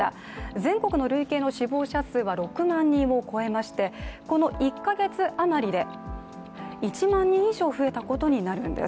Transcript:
全国の累計の死亡者数は６万人を超えましてこの１か月余りで１万人以上増えたことになるんです。